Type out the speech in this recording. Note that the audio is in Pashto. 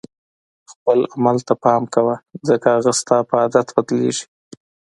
خپل عمل ته پام کوه ځکه هغه ستا په عادت بدلیږي.